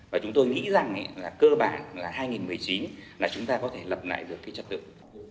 và chúng tôi nghĩ rằng là cơ bản là hai nghìn một mươi chín là chúng ta có thể lập lại được cái chất lượng